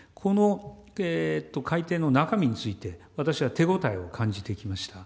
このかいていの中身について、私は手応えを感じてきました。